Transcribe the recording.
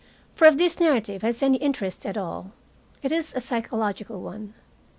For, if this narrative has any interest at all, it is a psychological one.